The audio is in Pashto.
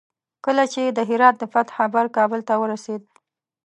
کله چې د هرات د فتح خبر کابل ته ورسېد.